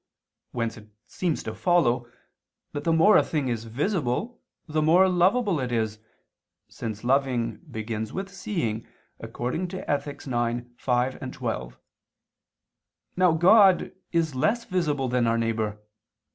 Whence it seems to follow that the more a thing is visible the more lovable it is, since loving begins with seeing, according to Ethic. ix, 5, 12. Now God is less visible than our neighbor.